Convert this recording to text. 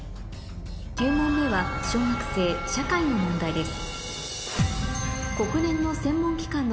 ９問目は小学生社会の問題です